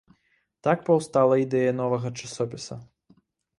Так паўстала ідэя новага часопіса.